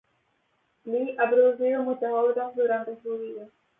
Lee ha producido muchas obras durante su vida.